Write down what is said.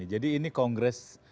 jadi ini kongres